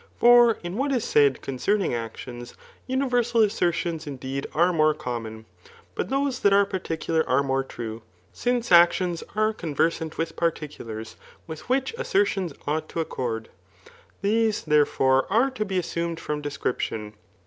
For in what Is said concerning actions, universal assertions indeed are ftiore common ; but those that are particular afe more true ; since actions are conversant with particulars, with Wb&ch assertions ought to accord. These, therefore, are id be assumed from description.